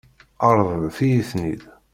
Ṛeḍlet-iyi-ten-id.